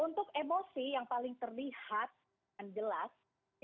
untuk emosi yang paling terlihat dan jelas